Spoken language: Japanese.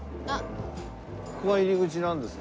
ここが入り口なんですか？